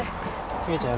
姫ちゃん